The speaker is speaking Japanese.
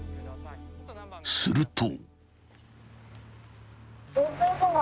［すると］